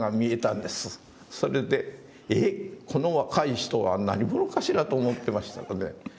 それで「えっ？この若い人は何者かしら」と思ってましたので。